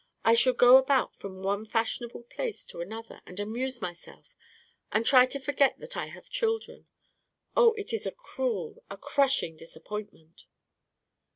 I shall go about from one fashionable place to another and amuse myself, and try to forget that I have children. Oh, it is a cruel, a crushing disappointment."